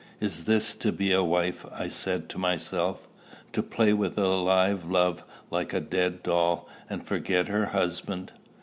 "Is this to be a wife?" I said to myself, "to play with a live love like a dead doll, and forget her husband!"